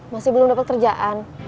masih belum dapat kerjaan